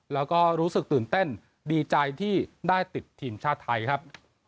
แล้วก็รู้สึกตื่นเต้นดีใจที่ได้ติดทีมชาติไทยครับ